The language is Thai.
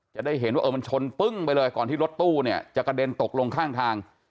จะได้เห็นว่าเออมันชนปึ้งไปเลยก่อนที่รถตู้เนี่ยจะกระเด็นตกลงข้างทาง